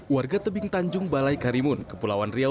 warga tebing tanjung balai karimun kepulauan riau